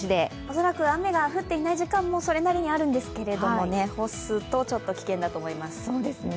恐らく雨が降っていない時間もそれなりにあるんですけど、干すとちょっと危険だと思います。